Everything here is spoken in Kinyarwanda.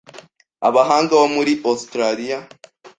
Abahanga bo muri Australia